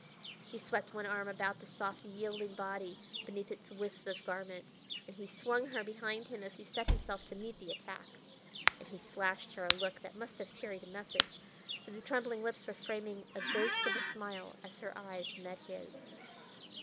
He swept one arm about the soft, yielding body beneath its wisp of garment, and he swung her behind him as he set himself to meet the attack. And he flashed her a look that must have carried a message, for the trembling lips were framing a ghost of a smile as her eyes met his.